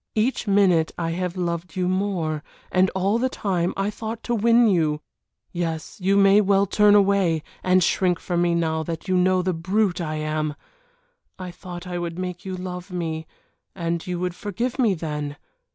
Each minute I have loved you more and all the time I thought to win you. Yes, you may well turn away, and shrink from me now that you know the brute I am. I thought I would make you love me, and you would forgive me then.